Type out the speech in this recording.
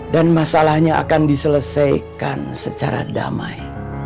dan masalahnya akan diselesaikan secara damai